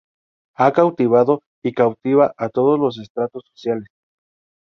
Ha cautivado y cautiva a todos los estratos sociales.